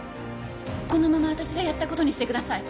このまま私がやった事にしてください。